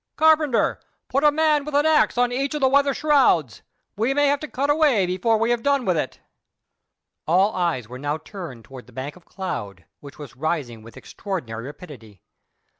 Carpenter, put a man with an axe at each of the weather shrouds. We may have to cut away before we have done with it." All eyes were now turned towards the bank of cloud, which was rising with extraordinary rapidity.